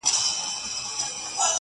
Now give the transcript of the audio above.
له نیکونو راته پاته بې حسابه زر لرمه,